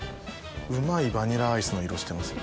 うまいバニラアイスの色してますよ。